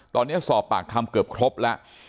ตอนนี้สอบปากคำเกือบครบแล้ว